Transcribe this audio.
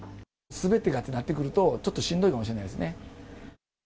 すべてがってなってくると、ちょっとしんどいかもしれないですね。